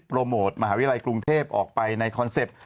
โมทมหาวิทยาลัยกรุงเทพออกไปในคอนเซ็ปต์